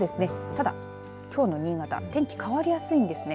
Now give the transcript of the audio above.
ただ、きょうの新潟天気が変わりやすいんですね。